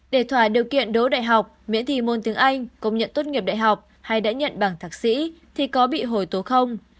để thỏa điều kiện đấu đại học miễn thì môn tiếng anh công nhận tốt nghiệp đại học hay đã nhận bảng thạc sĩ thì có bị hồi tố không